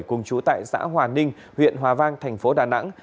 cùng chú tại xã hòa ninh huyện hòa vang thành phố đà nẵng